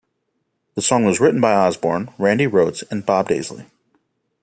The song was written by Osbourne, Randy Rhoads and Bob Daisley.